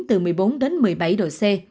từ một mươi bốn đến một mươi bảy độ c